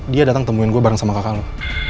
dia datang temuin gue bareng sama kakak lo